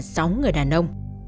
sáu người đàn ông